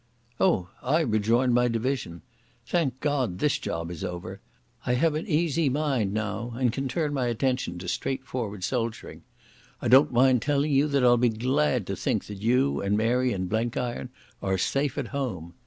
"Oh, I rejoin my division. Thank God, this job is over. I have an easy trund now and can turn my attention to straight forward soldiering. I don't mind telling you that I'll be glad to think that you and Mary and Blenkiron are safe at home.